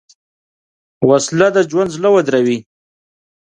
وسله د ژوند زړه دروي